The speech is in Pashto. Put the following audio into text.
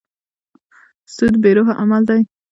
سود بې روحه عمل دی.